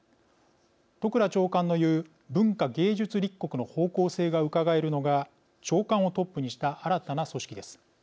都倉長官の言う文化芸術立国の方向性がうかがえるのが長官をトップにした新たな組織です。